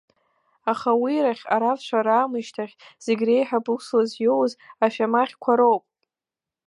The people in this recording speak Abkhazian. Аха уирахь, арабцәа раамышьҭахь, зегь реиҳа ԥықәслас иоуз ашәамахьқәа роуп.